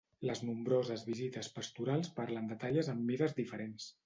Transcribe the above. Les nombroses visites pastorals parlen de talles amb mides diferents.